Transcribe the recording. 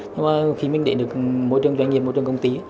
nhưng mà khi mình để được mối trường doanh nghiệp mối trường công ty